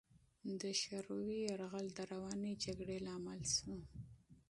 د شوروي یرغل د روانې جګړې لامل شو.